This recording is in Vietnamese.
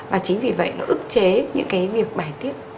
và chính vì vậy nó ức chế những cái việc bài tiết